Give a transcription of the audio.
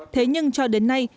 thế nhưng cho đến nay